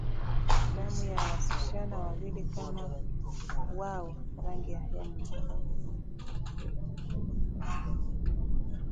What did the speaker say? damu ya wasichana wawili kama wao rangi ya henna